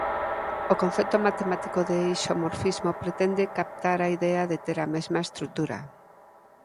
O concepto matemático de isomorfismo pretende captar a idea de ter a mesma estrutura.